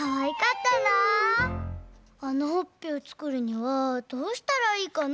あのほっぺをつくるにはどうしたらいいかな？